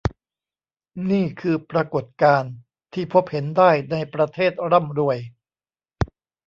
นี่คือปรากฏการณ์ที่พบเห็นได้ในประเทศร่ำรวย